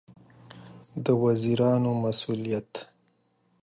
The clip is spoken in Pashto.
د وزیرانو مسوولیت